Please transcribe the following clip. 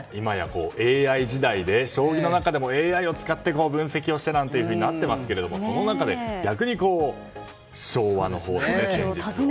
ＡＩ時代で将棋の中でもＡＩを使って分析をしてなんていうふうになってますけど、その中で逆に昭和の、古きの時代を。